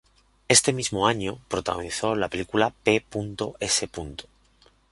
Ese mismo año protagonizó la película "P. S.".